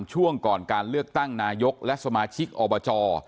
ช่วงก่อนการเลือกตั้งนายกและสมาชิกอบจ